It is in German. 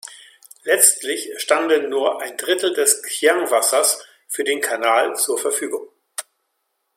Letztlich standen nur ein Drittel des Xiang-Wassers für den Kanal zur Verfügung.